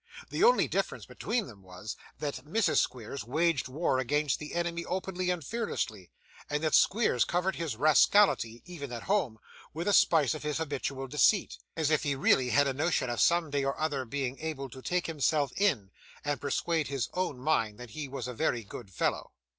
The only difference between them was, that Mrs. Squeers waged war against the enemy openly and fearlessly, and that Squeers covered his rascality, even at home, with a spice of his habitual deceit; as if he really had a notion of someday or other being able to take himself in, and persuade his own mind that he was a very good fellow.